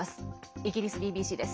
イギリスＢＢＣです。